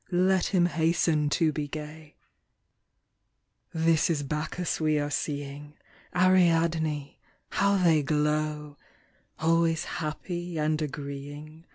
Let him hasten to be gay ! This is Bacchus we are seeing, Ariadne — ^how they glow I Always happy and agreeing.